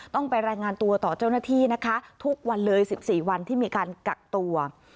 ต้องไปรายงานตัวต่อเจ้าหน้าที่นะคะทุกวันเลย๑๔วันที่มีการกักตัว